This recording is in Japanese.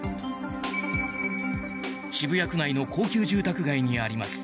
渋谷区内の高級住宅街にあります